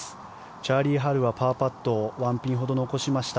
チャーリー・ハルはパーパットを１ピンほど残しました。